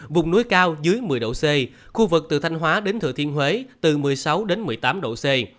vùng núi cao dưới một mươi độ c khu vực từ thanh hóa đến thừa thiên huế từ một mươi sáu đến một mươi tám độ c